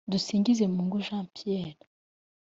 Dusingizemungu Jean Pierre